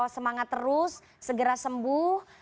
semangat terus segera sembuh